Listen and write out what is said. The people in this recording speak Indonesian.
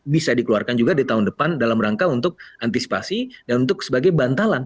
bisa dikeluarkan juga di tahun depan dalam rangka untuk antisipasi dan untuk sebagai bantalan